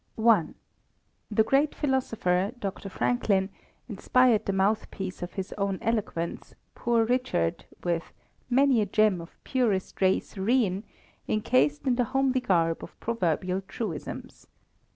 i. The great philosopher, Dr. Franklin, inspired the mouthpiece of his own eloquence, "Poor Richard," with "many a gem of purest ray serene," encased in the homely garb of proverbial truisms.